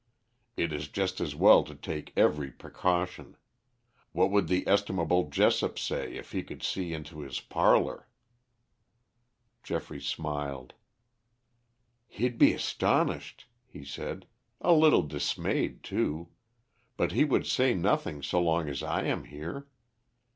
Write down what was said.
"It is just as well to take every precaution. What would the estimable Jessop say if he could see into his parlor?" Geoffrey smiled. "He'd be astonished," he said, "a little dismayed, too. But he would say nothing so long as I am here.